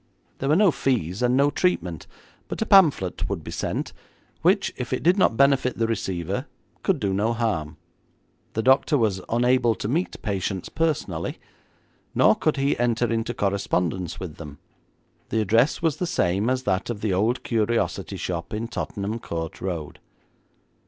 There were no fees, and no treatment, but a pamphlet would be sent, which, if it did not benefit the receiver, could do no harm. The doctor was unable to meet patients personally, nor could he enter into correspondence with them. The address was the same as that of the old curiosity shop in Tottenham Court Road.